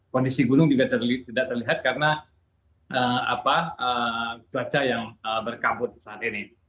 kondisi gunung juga tidak terlihat karena cuaca yang berkabut saat ini